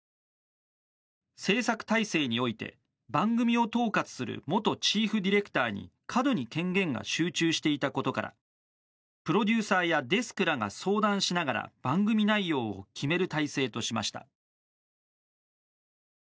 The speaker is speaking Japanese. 制作体制において番組を統括する元チーフディレクターに過度に権限が集中していたことからプロデューサーやデスクらが相談しながら番組内容を決める体制としました。